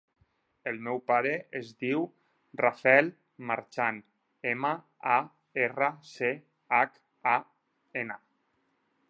El meu pare es diu Rafael Marchan: ema, a, erra, ce, hac, a, ena.